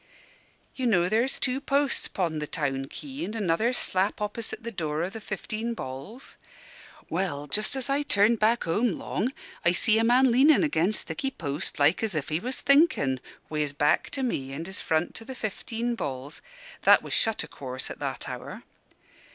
You know there's two posts 'pon the town quay, and another slap opposite the door o' the 'Fifteen Balls'? Well, just as I turned back home long, I see a man leanin' against thicky post like as if he was thinkin', wi' his back to me and his front to the 'Fifteen Balls' (that was shut, o' course, at that hour).